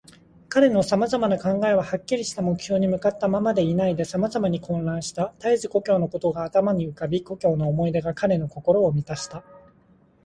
彼のさまざまな考えは、はっきりした目標に向ったままでいないで、さまざまに混乱した。たえず故郷のことが頭に浮かび、故郷の思い出が彼の心をみたした。